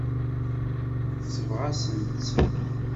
Tesbeɣ-asent-tt.